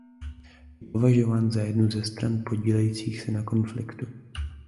Je považován za jednu ze stran podílejících se na konfliktu.